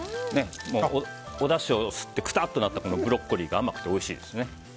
おだしを吸ってくたっとなったブロッコリーが甘くておいしいですね。